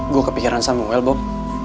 gue kepikiran samuel bob